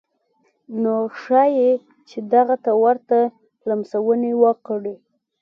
نو ښايي چې دغه ته ورته لمسونې وکړي.